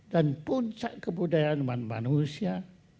dan puncak kebudayaan manusia